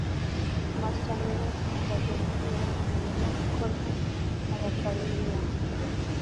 mashya Ni bo bagenzura umurimo ukorwa n abapayiniya